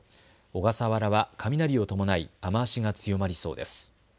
小笠原は雷を伴い雨足が強まりそうです。